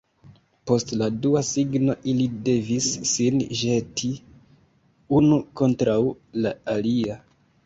Post la dua signo ili devis sin ĵeti unu kontraŭ la alia.